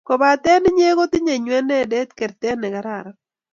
kopaten inye kotinye nywenedet kertet ne kararan